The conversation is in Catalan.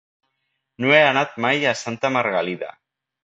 No he anat mai a Santa Margalida.